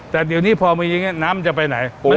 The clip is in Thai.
แต่เดี๋ยวนี้พอมันยังไงน้ำมันจะไปไหนอู้